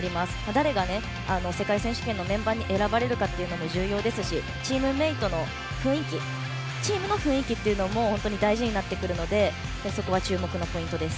誰が世界選手権のメンバーに選ばれるかも重要ですしチームの雰囲気も本当に大事になってくるのでそこは注目のポイントです。